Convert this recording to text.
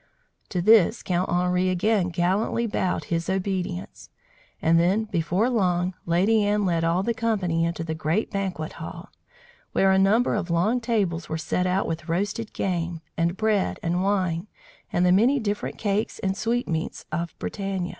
To this Count Henri again gallantly bowed his obedience; and then, before long, Lady Anne led all the company into the great banquet hall, where a number of long tables were set out with roasted game, and bread and wine and the many different cakes and sweetmeats of Bretagne.